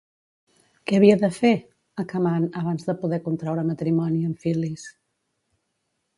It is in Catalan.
Què havia de fer Acamant abans de poder contraure matrimoni amb Fil·lis?